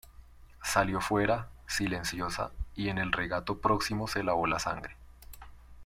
Salió fuera, silenciosa, y en el regato próximo se lavó la sangre.